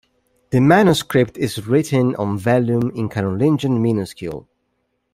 The manuscript is written on vellum in Carolingian minuscule.